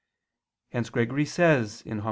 Hence Gregory says (Hom.